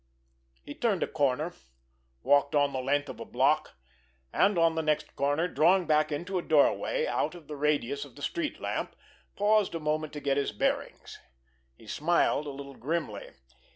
He turned a corner, walked on the length of a block, and on the next corner, drawing back into a doorway out of the radius of the street lamp, paused a moment to get his bearings. He smiled a little grimly.